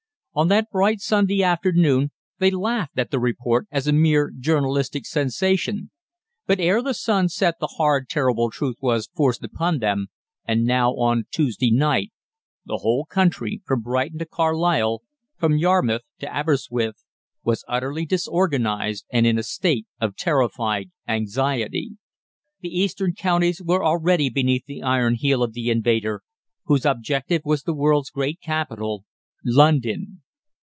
On that bright Sunday afternoon they laughed at the report as a mere journalistic sensation, but ere the sun set the hard, terrible truth was forced upon them, and now, on Tuesday night, the whole country, from Brighton to Carlisle, from Yarmouth to Aberystwyth, was utterly disorganised and in a state of terrified anxiety. The eastern counties were already beneath the iron heel of the invader, whose objective was the world's great capital London.